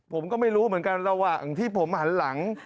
ผมก็ไม่รู้เหมือนกันระหว่างที่ผมหันหลัง